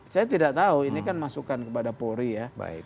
saya tidak tahu ini kan masukan kepada polri ya